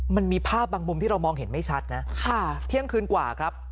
มันมีภาพบางมุมที่เรามองเห็นไม่ชัดนะเที่ยงคืนกว่าครับ